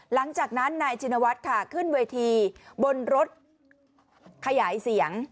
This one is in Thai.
หลังจากนั้นนายชินวัฒน์ค่ะขึ้นเวทีบนรถขยายเสียง